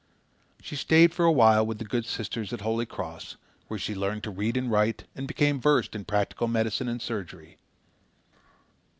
She stayed for a while with the good sisters at Holy Cross, where she learned to read and write and became versed in practical medicine and surgery.